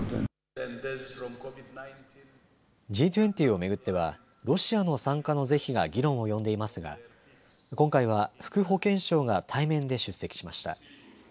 Ｇ２０を巡ってはロシアの参加の是非が議論を呼んでいますが今回は副保健相が対面で出席しました。